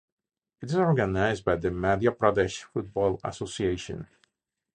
It is organised by the Madhya Pradesh Football Association.